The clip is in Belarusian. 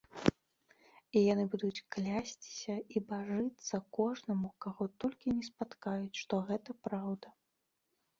І яны будуць клясціся і бажыцца кожнаму, каго толькі не спаткаюць, што гэта праўда.